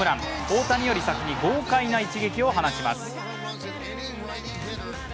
大谷より先に豪快な一撃を放ちます。